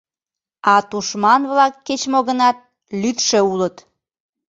— А тушман-влак, кеч-мо гынат, лӱдшӧ улыт.